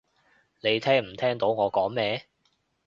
你聽唔聽到我講咩？